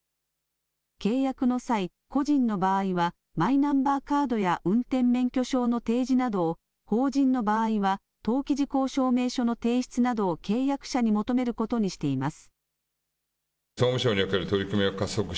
契約の際、個人の場合はマイナンバーカードや運転免許証の提示などを、法人の場合は登記事項証明書の提出などを契約者に求めることにしています。